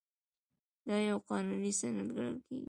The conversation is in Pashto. دا یو قانوني سند ګڼل کیږي.